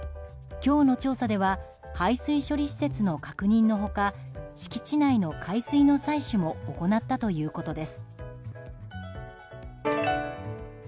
今日の調査では排水処理施設の確認の他敷地内の海水の採取も行ったということです。